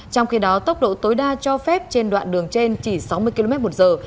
trong khi đó tốc độ tối đa cho phép trên đoạn đường trên chỉ sáu mươi km một giờ